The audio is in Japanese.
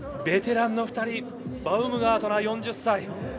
ベテランの２人バウムガートナー、４０歳。